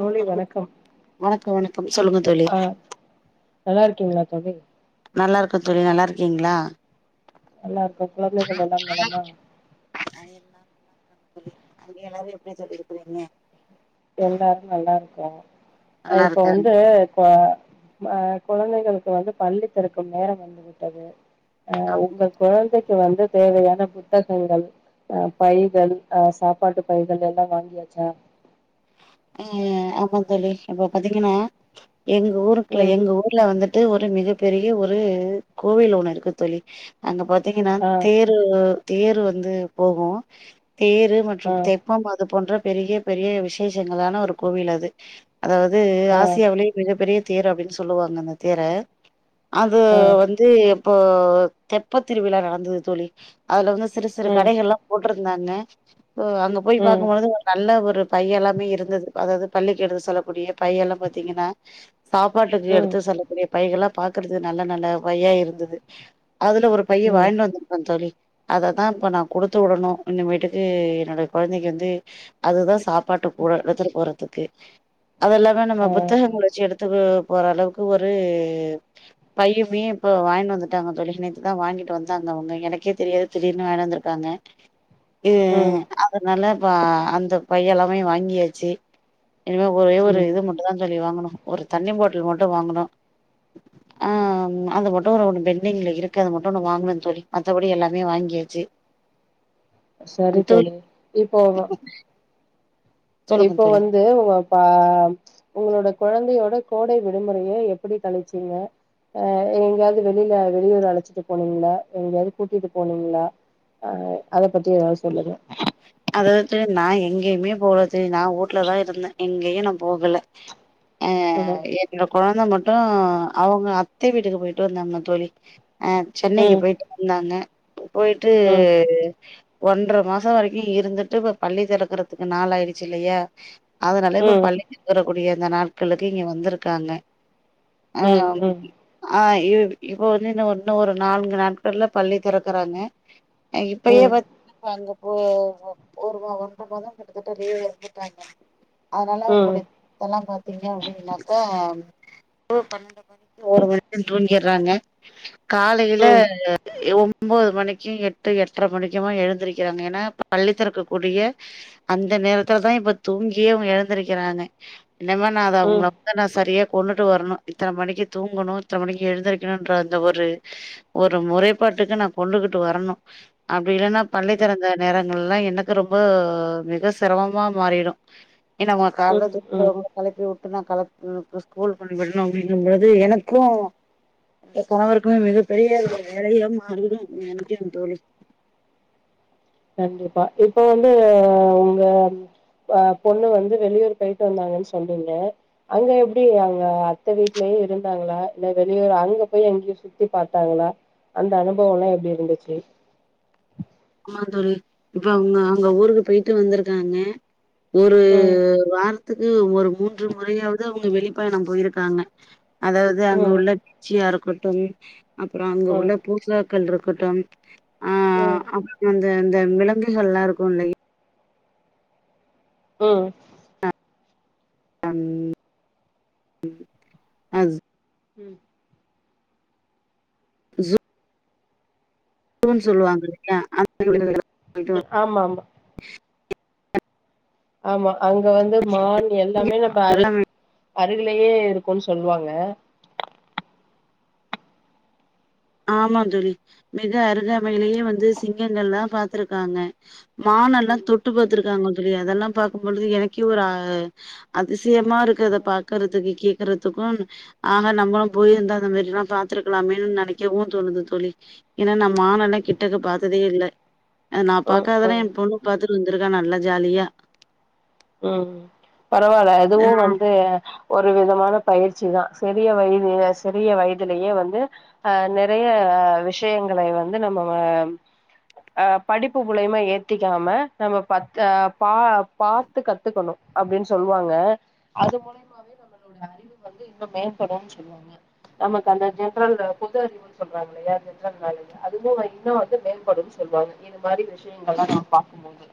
ஆ சொல்லுங்க வணக்கம் வணக்க வணக்கம் சொல்லுங்க தோழி அ நல்லாருக்கீங்களா தோழி நல்லாருக்கோ தோழி நல்லாருக்கீங்களா நல்லா இருக்கோ குழந்தைகள் எல்லா நலமா ஆ எல்லாரு நல்லாருகாங்க தோழி அங்க எல்லாரு எப்டி தோழி இருக்குறீங்க எல்லாரு நல்லாருக்கோ அ நல்லா இப்ப இருக்காங் வந்து இப்ப அ கொழந்தைகளுக்கு வந்து பள்ளி திறக்கும் நேரம் வந்து விட்டது அ ஆம் உங்கள் கொழந்தைக்கு வந்து தேவையான புத்தகங்கள் ஆ பைகள் ஆ சாப்பாட்டு பைகள் எல்லா வாங்கியாச்சா ம் ஆமா தோழி இப்ப பாத்தீங்கன்னா எங்க ஊர்ருக்குல ம் எங்க ஊர்ல வந்துட்டு ஒரு மிக பெரிய ஒரு கோவில் ஒண்ணு இருக்கு தோழி அங்க பாத்தீங்கன்னா ஆ தேர் அது தேரு வந்து போகு தேரு ஆ மற்றும் தெ ஆமா அது போன்ற பெரிய பெரிய விசேஷங்களான ஒரு கோவில் அது அதாவது ஆ ஆசியாவிலயே மிகப் பெரிய தேர் அப்டின் சொல்லுவாங்க அந்த தேர அது ஆ வந் து இப்போ தெப்ப திருவிழா நடந்தது தோழி அதுல வந்து சிறு சிறு ம் கடைகள்ளா போட்ருந்தாங்க இப்போ அங்க போய் ம் பாக்கும்பொழுது ஒரு நல்ல ஒரு பையல்லா மே இருந்தது அதாவது பள்ளிக்கு எடுத்து சொல்லக்கூடிய பையெல்லா பாத்தீங்கன்னா சாப்பாட்டுக்கு ம் எடுத்து செல்ல கூடிய பைகளா பாக்குறது நல்ல நல்ல பையா இருந்தது அதுல ஒரு பைய ம் வாய்ன்ட்டு வந் அ தோழி அததா இப்ப நா குடுத்து விடணு இனிமேட்டுக்கு என்னோட கொழந்தைக்கு வந்து அதுதா சாப்பாட்டு கூட எடுத்துட்டு போறதுக்கு அது இல்லாம நம்ம ஆ ஆ புத்தகங்களு வச்சு எடுத்துட்டு போற அளவுக்கு ஒரு பையுமே இப்போ வாங்கிட்டு வந்துட்டாங்க தோழி நேத்து தா வாங்கிட்டு வந்தாங்க அவுங்க எனக்கே தெரியாது திடீர்னு வாங்கிட்டு வந்துருக்காங்க ம் அதனால இப்ப அந்த பையெல்லாமே வாங்கியாச்சு இனிமே ஒரே ஒரு ம் இது மட்டுந்தா தோழி வாங்கணு ஒரு தண்ணி பாட்டுல் மட்டு வாங்கணு [inaudible] ஆன் அது மட்டு ஒரு ஒன்னு பெண்டிங்ல இருக்கு அது மட்டு ஒன்னு வாங்கணும்ன்னு தோழி மத்தபடி எல்லாமே வாங்கியாச்சு சரி தோழி இப்போ உங்க சொல்லுங்க இப்போ தோழி வந் து உங்க க உங்களோட கொழந்தையோட கோடை விடுமுறைய எப்பிடி கழிச்சீங்க அ எங்கயாது வெளில வெளியூர் அழச்சிட்டு போனீங்களா எங்கயாவது கூட்டிட்டு போனீங்களா ஆ அத பத்தி எதாது சொல்லுங்க அதேது நா எங்கேயுமே போகல தோழி நா வூட்ல தா இருந்த எங்கயு நா போகல [inaudible] அ ம் எப் எங்க கொழந்த மட்டு அவங்க அத்த வீட்டுக்கு போயிட்டு வந்தாங்க தோழி அ சென்னைக்கு ம் போயிட்டு வந்தாங்க போ போயிட்டு ம் ஒன்ற மாசோ வரைக் கி இருந்துட்டு இப்ப பள்ளி தெறக்கிறதுக்கு நாள் ஆயிருச்சு இல்லையா அதனால இப்ப ம் பள்ளி ளி தெறக்கூடிய இந்த நாட்களுக்கு இங்க வந்திருக்காங்க ம் ஆம் ம் ஆ இ இப்ப வந்து இன்னு இன்னு ஒரு நான்கு நாட்கள்ல பள்ளி திறக்குறாங்க அ ம் இப்பயே ம் பாத் இப்ப அங்க போ றாங்க ஒருமா ஒன்ற மாதோ கிட்டத்தட்ட லீவ்ல இருந்துட்டாங்க அதுனால அவங்களுடை தெல்லா பாத்தீங்க அப்டின்னாக்க இப்போ பனண்டு மணிக்கு ஒரு மணி தூங்கிர்றாங்க காலையில ம் ஒம்போது மணிக்கு எட்டு எட்ர மணிக்கெலா எழுந்திருக்கிறாங்க ஏன்னா பள்ளித்திறக்க கூடிய அந்த நேரத்துலதா இப்ப தூங்கியே அவங்க எழுந்திருக்கிறாங்க இந்த மாரி நாதா ம் அவுங்கள தனா சரியா கொண்டுட்டு வரணு இத்தன மணிக்கு தூங்கணு இத்தன மணிக்கு எழுந்திருக்கணுன்ற அந்த ஒரு ஒரு முறைப்பாட்டுக்கு நா கொண்டுகிட்டு வரணு அப்டி இல்லன்னா பள்ளி தெறந்த நேரங்கள்ல்லா எனக்கு ரொம்ப மிக சிரமமா மாறிரு க்கு நம்ம ம் கால்ல ம் தூக்க ம் வருது களப்பி விட்டு நா களப்பின எனக்கு ஸ்கூல் பண்ணி விட்ணு அப்டிங்கும்போது எனக்கூ ஏ கணவருக்குமே மிகப்பெரிய ஒரு வேலையா மாறிடு நெனைக்கே தோழி கண்டிப்பா இப்ப வந்து உங்க அ பொண்ணு வந்து வெளியூர் போயிட்டு வந்தாங்கன் சொன்னீங்க அங்க எப்டி அங்க அத்த வீட்லயே இருந்தாங்களா இல்ல வெளியூர் அங்க போய் அங்கயு சு த்தி பாத்தாங்களா அந்த அனுபவ எல்லா எப்டி இருந்துச்சு ஆமா தோழி இப்ப அவங்க அங்க ஊருக்கு போயிட்டு வந்துருக்காங்க ஒரு ம், வாரத்துக்கு ஒரு மூன்று முறையாவது அவங்க வெளிப்பயணம் போயிருக்காங்க அதாவது அங்க ம், உள்ள பிச்சியா இருக்கட்டும் அப்புறோ அங்க ம், உள்ள பூசா ங்கன் இருக்கட்டும் அ ம், அப் புந்த அந்த விலங்குகள் எல்லா இருக்கோ இல்லை ம் அம் ம் அஸ் ம் ஸோ ன் சொல்லுவாங்க இல்லையா [inaudible] உ ஆமாமா ஆமா அங்க வந்து மான் எல்லாமே அங்க பாரு அருகிலேயே இருக்குன்னு சொல்லுவாங்க ஆமா தோழி மிக அருகாமையிலேயே வந்து சிங்கங்கள்ல்லா பாத்துருக்காங்க மானல்லா ம், தொட்டு பாத்துருக்காங்க தோழி அதெல்லா பாக்கும்பொழுது எனக்கே ஒரு ஆ அதிசயமா இருக்கு அத பாக்கறதுக்கு கேக்குறதுக்குன் ஆக நம்பளு போயிருந்த அந்த மாரிலா பாத்துருக்கலாமேன்னு நெனைக் கவு தோணுது தோழி ஏன்னா நா மானல்லா கிட்டக்க பாத்ததே இல்ல நா ம், பாக்காதெல்லா ம். என் பொண்ணு பாத்துட்டு வந்திருக்கா நல்ல ஜாலியா ம் பரவாயில்ல ஆ அதுவு வந்து ஒரு விதமான பயிற்சி தா சிறிய வயது சிறிய வயதுலேயே வந்து அ நிறைய விஷயங்களை வந்து நம்ப வம் அ படிப்பு புலமை ஏத்திக்காம நம்ம பத்து ஆ பா பாத் த்து கத்துக்கணு அப்டின்னு சொல்லுவாங்க அது மூலியமாவே இது நம்மளுடைய அறிவு வந்து இன்னு மேம்படும்னு சொல்லுவாங்க நமக்கு அந்த ஜென்ரல்லு பொது அறிவு ம் சொல்றாங்களாயா [unintelligible] அதுவு இன்னு வந்து மேம்படும் சொல்லுவாங்க இந்த மாரி விஷி ம் இதெல்லா நா பாக்கும்போது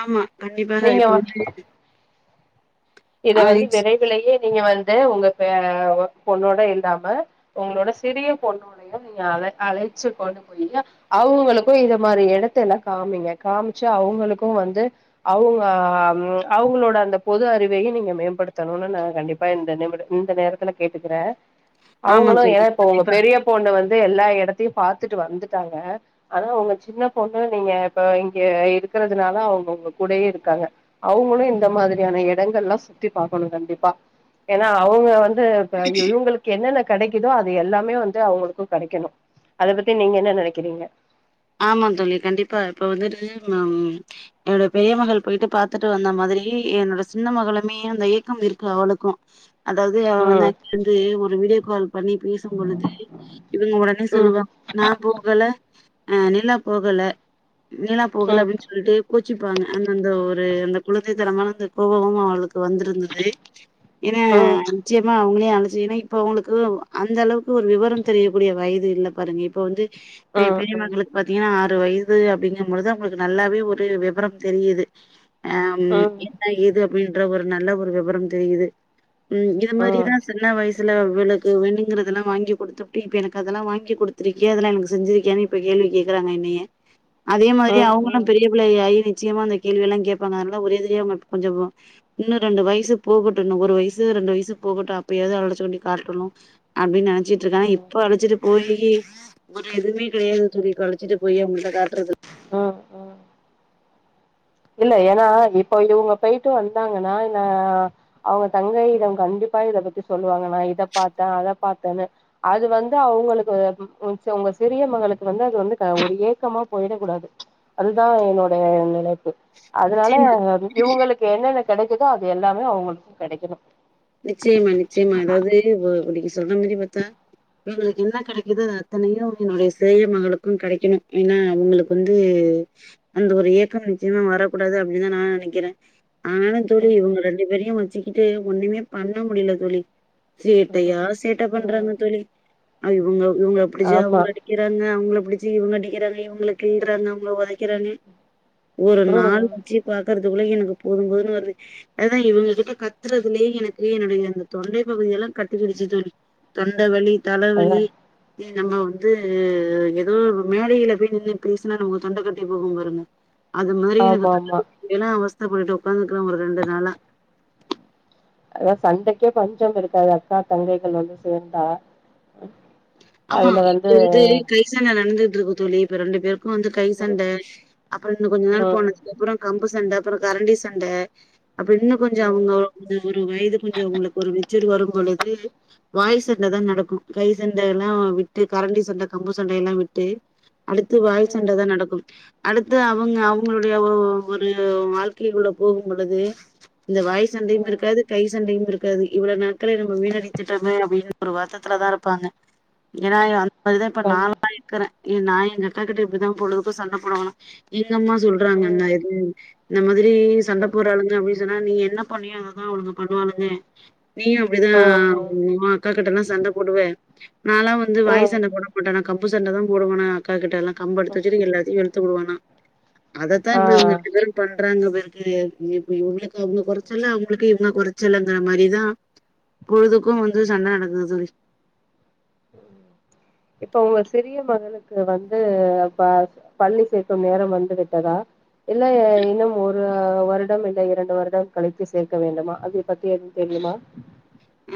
ஆமா கண்டிப்பாதா நீங்க இப்ப வந்து இத ஆ வந்து எக்ஸ் வெரைட் புள்ளைங்க நீங்க வந்து உங்க பெ பொண்ணோட இல்லாம உங்களோட சிறிய பொண்ணோட [unintelligible] நீங்க அழ அழைச்சு கொண்டு போய்யா அவங்கவளுக்கு இத மாரி இடத்த எல்லா காமிங்க காமிச்சு அவங்களுக்கு வந்து அவங்க ம் அவங்களோட அந்த பொது அறிவு இதையு நீங்க மேம்படுத்தணும்னு நா கண்டிப்பா இந்த நிமிடம் இந்த நேரத்துல கேட்டுக்கிறே ஆமா அவங்களு ஏன்னா தோழி இப்ப உங்க கண்டிப்பா பெரிய பொண்ணு வந்து எல்லா எடத்தையு பாத்துட்டு வந்துட்டாங்க ஆனா உங்க சின்ன பொண்ணு நீங்க இப்ப இங்க இருக்கிறதுனால அவங்க உங்க கூடயே இருக்காங்க அவங்களு இந்த மாதிரியான என் இடங்கள்லா சுத்தி பாக்கணு கண்டிப்பா ஏனா அவங்க வந்து இப்ப இவ் இவங்களுக் கென்னென்ன கெடைக்குதோ அது எல்லாமே வந்து அவங்களுக்கு கெடைக்கணு அத பத்தி நீங்க என்ன நெனைக்கிறீங்க ஆமா தோழி கண்டிப்பா இப்ப வந்துட்டு அம் என்னோட பெரிய மகள் போயிட்டு பாத்துட்டு வந்த மாதிரி என்னோட சின்ன மகளுமே அந்த ஏக்கம் இருக்கு அவளுக்கு அதாவது அவ [inaudible] ம் வந்து ஒரு வீடியோ கால் பண்ணி பேசும் பொழுது இவங்க ஒடனே ம் சொல்லுவாங் நா போகல ஆ நில்லா போகல நில்லா போகல ம் அப்படின்னு சொல்லிட்டு கோச்சிப்பாங்க அந்தந்த ஒரு அந்த குழந்தை தனமான அந்த கோபமு அவளுக்கு வந்திருந்தது இவ ம் [unintelligible] நிச்சயமா அவுங்ளையே அழைச்சிகினு இப்ப உங்களுக்கு அந்த அளவுக்கு ஒரு விவரம் தெரியக்கூடிய வயது இல்ல பாருங்க இப்ப வந்து ஆ அ பதினாறு வயது அப்படிங்கும்பொழுது அவங்களுக்கு நல்லாவே ஒரு விபரம் தெரியுது ஆம் ம் ம் என்ன ஏது அப்படின்ற ஒரு நல்ல ஒரு விவரம் தெரியுது ம் எ ம் மாரிதா சின்ன வைஸ் இதுல அவளுக்கு வேணுங்கிறதெல்லா வாங்கி குடுத்துபுட்டு இப்ப எனக்கு அதெல்லா வாங்கி குடுத்திருக்கியே அதெல்லா எனக்கு செஞ்சிருக்கியானு இப்ப கேள்வி கேக்குறாங்க என்னைய அதே மாரி அவங்களு ம் பெரியப் புள்ளை ஆயி நிச்சயமா அந்த கேள்வியெல்லா கேப்பாங்க அதனால ஒரேதிரியா மட் கொஞ்சமா இன்னு ரெண்டு வயசு போகட்டுன்னு ஒரு வயசு ரெண்டு வயசு போகட்டு அப்பயாவது அவள்ட சொல்லி காட்டணு அப்டி நெனச்சிட் ட்ருக்கே ம் இப்ப அழைச்சிட்டு போயி ஒரு எதுவுமே கிடையாது சொல்லிட்டு அழைச்சிட்டு போயி அவங்கள்ட காட்றது ஆ இல்ல ஏனா இப்ப இவுங்க பேயிட்டு வந்தாங்கனா நா அவுங்க தங்கை இத கண்டிப்பா இத பத்தி சொல்லுவாங்க நா இத பாத்த அத பாத்தனு அது வந்து அவுங்களுக்கு ஒன்ஸ் அவுங்க சிறிய மகளுக்கு வந்து அது வந்து க ஒரு ஏக்கமா போயிடக் கூடாது அதுதா என்னோடைய நெனைப்பு அதனால நிச்சயமா இவங்களுக் கு என்னென்ன கெடைக்குதோ அது எல்லாமே அவங்களுக் கெடைக்கணு நிச்சயமா நிச்சயமா அதாவது ஓ நீங்க சொல்ற மாரி பாத்தா எங்களுகு என்ன கெடைக்குது அத்தனையு என்னுடைய பெரிய மகளுக்கு கெடைகணு ஏனா அவுங்களுக் வந்து அந்த ஒரு ஏக்கம் நிச்சயமா வரகூடாது அப்டினுதா நா நெனக்கிறே ஆனாலு தோழி இவங்க ரெண்டு பேரையு வச்சிகிட்டு ஒண்ணுமே பண்ண முடியல தோழி சேட்டையா சேட்ட பண்றாங்க தோழி் அவுங்க இவுங்க அப்டி செய்ய ஆமா அவுங்க இருங்க அவங்கல புடிச்சி இவங்க அடிக்கிறாங்க இவங்கல கீல்றாங்க அவங்க உதைக்கிறாங்க ஒரு ம் நாலு [unintelligible] பாக்கறதுகுள்ளே எனக்கு போது போதுன்னு வருது அதா இவுங்க கிட்ட கத்துறதுலயே எனக் என்னுடைய அந்த தொண்டை பகுதி எல்லா கட்டிகிடுச்சி தோழி தொண்டவலி அதா தலவலி நம்ம வந்து எதோ மேடையில போய் நின்னு போசன நமக் தொண்ட கட்டி போகு பாருங்க அது மாரி எனக்கு ஆமா தொண்ட ஆமா கட்டிடு எனா அவஸ்த பட்டு உக்காந்துக்கிற ஒரு ரெண்டு நாளா அதா சண்டைகே பஞ்சம் இருக்காது அக்கா தங்கைகள் வந்து சேர்ந்தா ஆமா இது வந்து கை சண்ட நடந்துட் இருக்கு தோழி இப்ப ரெண்டு பேருக்கு வந்து கை ம் சண்ட அப்புற இன்னு கொஞ்ச நாள் ம் போன அப்புறோ கம்பு சண்ட அப்புறோ கரண்டி சண்ட அப்ப இன்னு கொஞ்சோ ம் அவுங்க [inaudible] ஒரு வயது கொஞ்சோ அவுங்களுக் ஒரு வித் சிடு வரும் தோழி இதே வாய் சண்ட தா நடக்கு கை சண்டை எல்லா விட்டு கரண்டி சண்ட கம்பு சண்டை எல்லா விட்டு அடுத்து வாய் ம் சண்ட தா நடக்கு அடுத்து அவங்க அவங்களுடைய ஓ ஒரு வாழ்க்கைகுள்ள போகும் பொழுது இந்த வாய் ம் சண்டையுமிருக்காது கை சண்டையுமிருக் க்கது இவ்ள நேரத்துல நம்ம வீணடித்திட்டமே அப்டின் ஒரு வருத்தத்துல தா இருப்பாங்க ஏனா இவே அந் மாரிதா இப்ப கண் நாலா க்குறே எ நா எங்கக்கா கிட்ட இப்டிதா பொழுதுக்கு சண்ட போடுவனா எங்கம்மா சொல் ல்றாங்க அந்த ம் மாரின் இந்த மாதிரி சண்ட ம்ஹ்ம். போறாளுங்க அப்டி ஞ்சனா நீ என்ன பண்ணியோ அதுதா அவுளுங்க பண்ணுவாளுங்க நீயு அப்டிதா ம் ம் ஓ அக்காகிட்டலா சண்ட போடுவ நாலா வந்து வாய் ம் சண்ட போட மாட்டனா கம்பு சண்ட தான் போடுவனா அக்காகிட்டலா கம்ப எடுத்து ம்ஹ்ம். வச்சுட்டு எல்லாத்தையு வெளுத் துபுடுவனா அதத்தா ஆ இப்ப இவுங்க ரெண்டு பேரு பண்றாங்க பெருக்கு [unintelligible] இவுங்க கொறச்சல்லா அவுங் ங்குளுக்கு இவுங்க கொறச்சல்லங்குற மாரிதா பொழுதுக்கு வந்து சண்ட நடக்குது தோழி ம் இப்ப ஒங்க சிறிய மகளுக்கு வந்து பா பள்ளி சேக்கும் நேரம் வந்து விட்டதா இல்ல ஏ இன்னும் ஒரு வருடம் இல்ல இரண்டு வருடம் கழித்து சேர்க்க வேண்டுமா அதை பத்தி எதும் தெரியுமா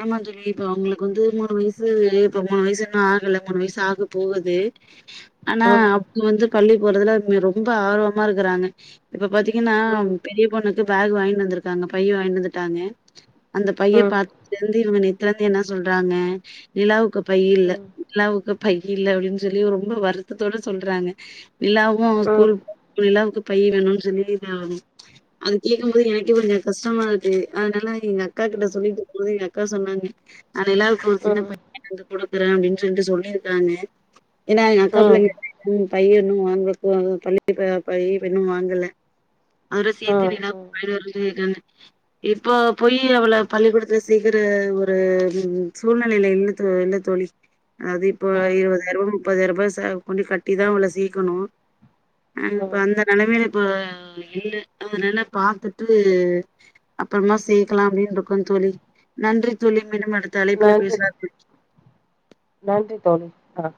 ஆமாந்தோழி இப்ப அவுங்குளுக்கு வந்து மூணு வய்சு இப்ப மூணு வய்சு இன்னு ஆகல மூணு வய்சு ஆக போகுது ஆனா ம் அவுங்க வந்து பள்ளி போறதுல இங் ரொம்ப ஆர்வமாருக்குறாங்க இப்ப பாத்தீங்கன்னா ம் அவுங் பெரிய பொண்ணுக்கு பேகு வாங்கி வந்துருக்காங்க பை வாங்கிட்டு வந்துட்டாங்க அந்த பைய ம் பாத்ததுலேந்து இவுங்க நேத்துலேந்து என்ன சொல்றாங்க நிலாவுக்கு பையில்ல ம் நிலாவுக்கு பையில்ல அப்டின் சொல்லி ரொம்ப வருத்தத்தோட சொல்றாங்க நிலாவு ஸ்கூல் ம் நிலாவுக்கு பையி வேணுன் சொல்லி [unintelligible] அது கேக்கும் போது எனக்கே கொஞ்சோ கஷ்டமாருக்கு அதுனால எங்க அக்கா கிட்ட ம் சொல்லிட்ருக்கும்போது எங்க அக்கா சொன்னாங்க நா நிலாவுக்கு ஒரு சின்ன ம் பை வாங்கிட் வந்து குடிக்குறே அப்டின் சொல்ட்டு சொல்லிருக்காங்க ஏனா எங்க ம் அக்கா ம் புள்ளங்க [inaudible] பை இன்னு வாங்க போனு பையி இப்ப பையி இன்னு வாங்கல அதோட சேத்து ம் நிலாக் அது ஒரு உதவி தான இப்போ போயி அவள பள்ளிக்கூடத்துல சே சேக்குற ஒரு ம் சூழ்நெலைல இல்ல தோ இல்ல தோழி அது இப்ப ம் ம் இருவதாயிருபா முப்பதாயிருபா ச கொண்டி கட்டிதா அவுள சேக்கணு அ இப்ப ம். அந்த நெலமைல இப்ப இல்ல அதுனால பாத்துட்டு அப்பறமா சேக்கலா அப்டின்ருக்கோ தோழி நன்றி தோழி மீண்டும் அடுத்த அழைப்புல நன்றி பேசலா நன்றி தோழி அ